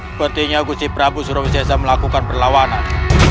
sepertinya gusti prabu surawesesa melakukan perlawanan